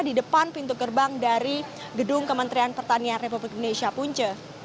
di depan pintu gerbang dari gedung kementerian pertanian republik indonesia punca